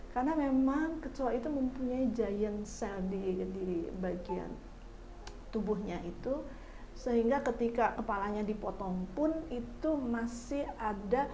karena memang kecoa itu mempunyai giant cell di bagian tubuhnya itu sehingga ketika kepalanya dipotong pun itu masih ada